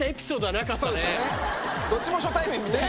どっちも初対面みたい。